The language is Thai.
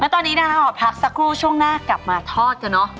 ตอนนี้ห่อพักสักครู่ช่วงหน้ากลับมาทอดนะ